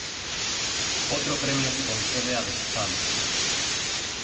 Otro premio se concede a Deschamps.